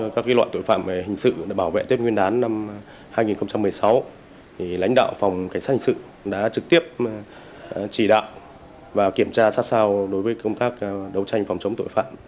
các loại tội phạm về hình sự bảo vệ tết nguyên đán năm hai nghìn một mươi sáu lãnh đạo phòng cảnh sát hình sự đã trực tiếp chỉ đạo và kiểm tra sát sao đối với công tác đấu tranh phòng chống tội phạm